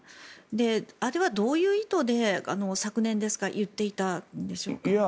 あれはどういう意図で昨年ですか言っていたんでしょうか？